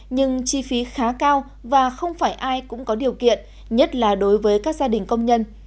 nhưng chi phí khá cao và không phải ai cũng có điều kiện nhất là đối với các gia đình công nhân